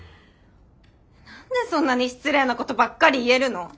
何でそんなに失礼なことばっかり言えるの？